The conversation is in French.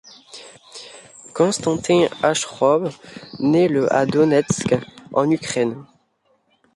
Konstantin Ashurov naît le à Donetsk en Ukraine.